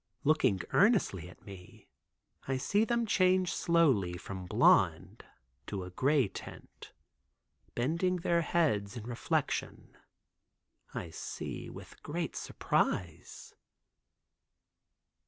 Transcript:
Looking earnestly at me I see them change slowly from blonde to a gray tint, bending their heads in reflection, (I see with great surprise.)